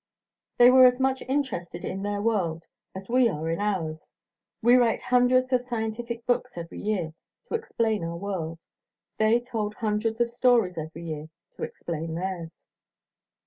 They were as much interested in their world as we are in ours; we write hundreds of scientific books every year to explain our world; they told hundreds of stories every year to explain theirs.